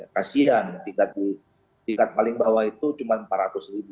kasian tingkat paling bawah itu cuma empat ratus ribu